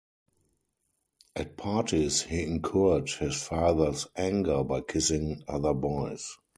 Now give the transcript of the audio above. At parties he incurred his fathers anger by kissing other boys.